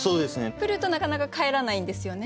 来るとなかなか帰らないんですよね。